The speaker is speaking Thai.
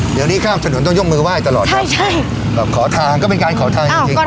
เดี๋ยวนี้ข้ามถนนต้องยกมือไหว้ตลอดครับขอทางก็เป็นการขอทางจริงจริง